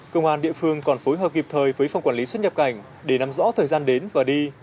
công an địa phương còn phối hợp kịp thời với phòng quản lý xuất nhập cảnh để nắm rõ thời gian đến và đi